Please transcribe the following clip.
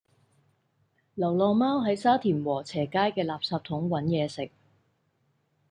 流浪貓喺沙田禾輋街嘅垃圾桶搵野食